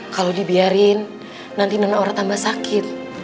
kalau dibiarin nanti nona aura tambah sakit